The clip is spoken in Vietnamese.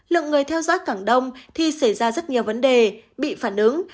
lượng người theo dõi càng đông thì xảy ra rất nhiều vấn đề bị phản ứng